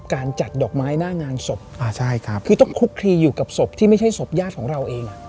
การจัดดอกไม้หน้างานศพอ่าใช่ครับคือต้องคุกคลีอยู่กับศพที่ไม่ใช่ศพญาติของเราเองอ่ะ